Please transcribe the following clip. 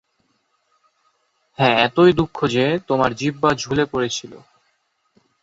হ্যাঁ, এতই দুঃখ যে তোমার জিহ্বা ঝুলে পড়ছিল।